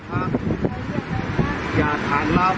จากขนาดเดี่ยวของอ้าว